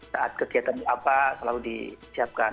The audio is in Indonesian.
saat kegiatan itu apa selalu disiapkan